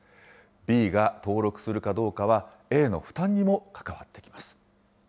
Ｂが登録するかどうかは、Ａの負担にも関わってきます。